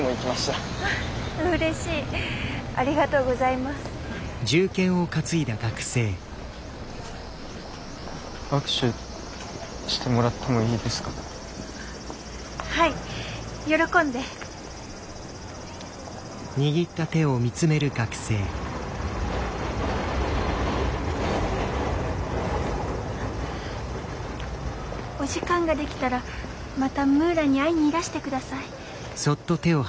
お時間ができたらまたムーランに会いにいらして下さい。